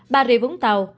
bà rịa vũng tàu